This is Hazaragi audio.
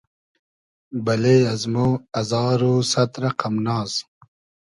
بئلې از مۉ ازار و سئد رئقئم ناز